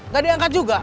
gak diangkat juga